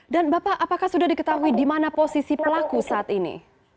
dan bapak apakah sudah diketahui di mana posisi pelaku saat ini